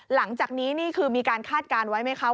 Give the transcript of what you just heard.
หลังจากนี้นี่คือมีการคาดการณ์ไว้ไหมคะ